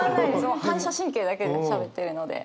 もう反射神経だけでしゃべってるので。